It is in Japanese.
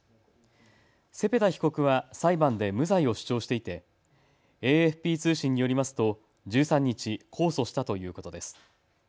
セペダ被告は裁判で無罪を主張していてＡＦＰ通信によりますと１３日、控訴したということです。